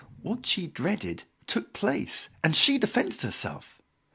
What she dreaded took place, and she defended herself.